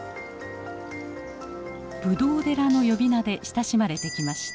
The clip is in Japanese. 「ぶどう寺」の呼び名で親しまれてきました。